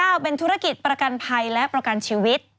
เป็นธุรกิจประกันภัยและประกันชีวิต